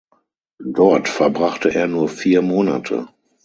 Dort verbrachte er nur vier Monate.